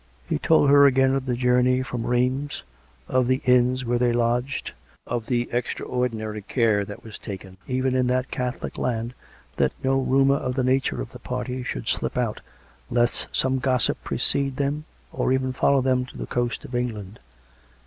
He told her again of the journey from Rheims, of the inns where they lodged, of the extraordinary care that was taken, even in that Catholic land, that no rumour of the nature of the party should slip out, lest some gossip pre cede them or even follow them to the coast of England.